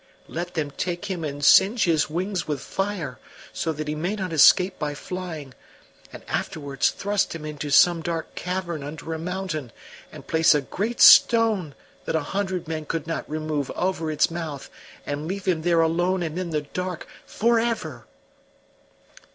Let them take him and singe his wings with fire, so that he may not escape by flying; and afterwards thrust him into some dark cavern under a mountain, and place a great stone that a hundred men could not remove over its mouth, and leave him there alone and in the dark for ever!"